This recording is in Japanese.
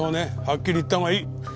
はっきり言った方がいい。